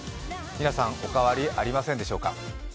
皆さん、お変わりありませんでしょうか？